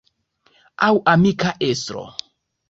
Aŭ amika estro.